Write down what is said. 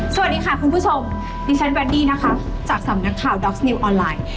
สวัสดีค่ะคุณผู้ชมดิฉันแดดดี้นะคะจากสำนักข่าวด็อกสนิวออนไลน์